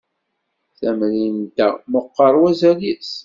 Tamrint-a meqqer wazal-is.